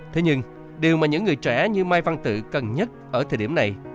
thế nhưng điều mà những người trẻ như mai văn tự cần nhất ở thời điểm này